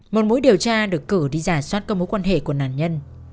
một mũi điều tra được cử đi giả soát các mối quan hệ của nạn nhân